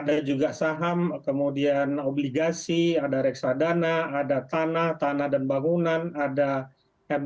ada juga saham kemudian obligasi ada reksadana ada tanah tanah dan bangunan ada mtn ada sbn